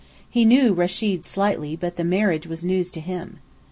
He knew Rechid slightly, but the marriage was news to him.